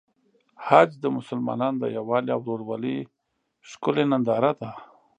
حج د مسلمانانو د یووالي او ورورولۍ ښکلی ننداره ده.